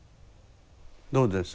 どうです？